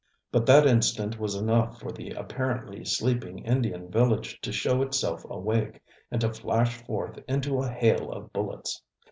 But that instant was enough for the apparently sleeping Indian village to show itself awake, and to flash forth into a hail of bullets.